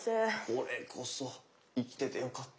これこそ生きててよかった。